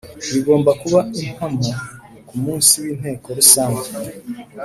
Bigomba kuba impamo kumunsi w Inteko Rusange